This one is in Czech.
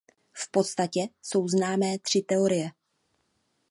V podstatě jsou známé tři teorie.